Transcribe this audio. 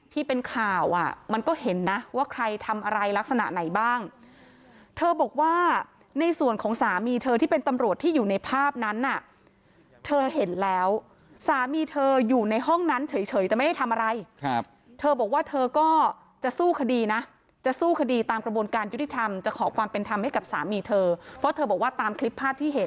ที่เป็นข่าวอ่ะมันก็เห็นนะว่าใครทำอะไรลักษณะไหนบ้างเธอบอกว่าในส่วนของสามีเธอที่เป็นตำรวจที่อยู่ในภาพนั้นน่ะเธอเห็นแล้วสามีเธออยู่ในห้องนั้นเฉยแต่ไม่ได้ทำอะไรครับเธอบอกว่าเธอก็จะสู้คดีนะจะสู้คดีตามกระบวนการยุติธรรมจะขอความเป็นธรรมให้กับสามีเธอเพราะเธอบอกว่าตามคลิปภาพที่เห็น